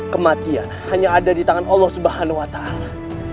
kematian hanya ada di tangan allah subhanahu wa ta'ala